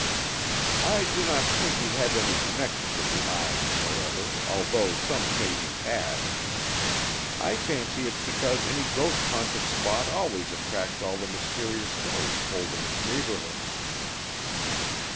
I do not think he had any connection with the island, however, although some say he had. I fancy it's because any ghost haunted spot always attracts all the mysterious stories told in its neighborhood."